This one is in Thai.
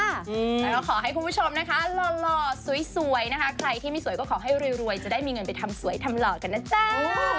แล้วก็ขอให้คุณผู้ชมนะคะหล่อสวยนะคะใครที่ไม่สวยก็ขอให้รวยจะได้มีเงินไปทำสวยทำหล่อกันนะจ้า